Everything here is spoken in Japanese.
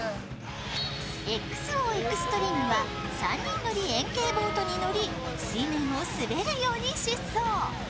ＸＯエクストリームは３人乗り円形ボートに乗り水面を滑るように疾走。